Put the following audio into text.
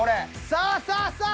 さあさあさあ